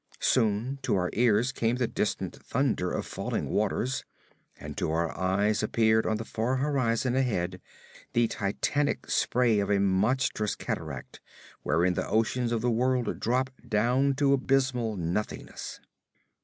Soon to our ears came the distant thunder of falling waters, and to our eyes appeared on the far horizon ahead the titanic spray of a monstrous cataract, wherein the oceans of the world drop down to abysmal nothingness.